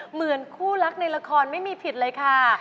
เหมือนคู่รักในละครไม่มีผิดเลยค่ะ